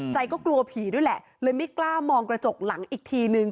ใจก็กลัวผีด้วยแหละเลยไม่กล้ามองกระจกหลังอีกทีนึง